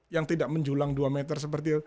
yang tidak menjulang dua meter seperti itu